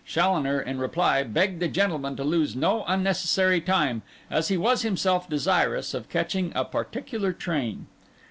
Challoner, in reply, begged the gentleman to lose no unnecessary time, as he was himself desirous of catching a particular train.